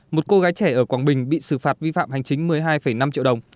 một cô gái trẻ ở quảng bình bị xử phạt vi phạm hành chính một mươi hai năm triệu đồng